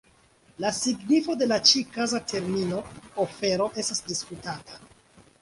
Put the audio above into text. La signifo de la ĉi-kaza termino "ofero" estas diskutata.